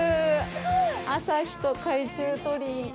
朝日と海中鳥居。